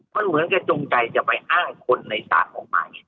มันเหมือนกับจงใจจะไปอ้างคนในศาลออกมา